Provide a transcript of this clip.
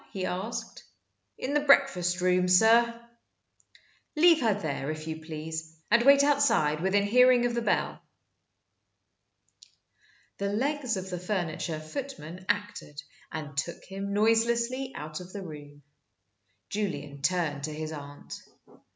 he asked. "In the breakfast room, sir." "Leave her there, if you please, and wait outside within hearing of the bell." The legs of the furniture footman acted, and took him noiselessly out of the room. Julian turned to his aunt.